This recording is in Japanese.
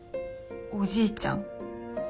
おじいちゃん？